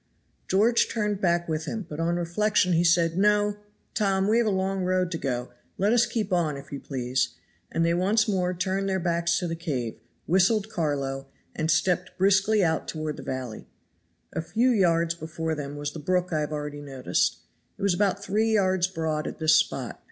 George turned back with him, but on reflection he said, "No! Tom, we have a long road to go, let us keep on, if you please;" and they once more turned their backs to the cave, whistled Carlo, and stepped briskly out toward the valley. A few yards before them was the brook I have already noticed it was about three yards broad at this spot.